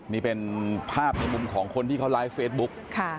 นี่เป็นภาพในมุมของคนที่เขาไลฟ์เฟซบุ๊ก